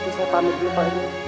itu saya pamit dulu pak dia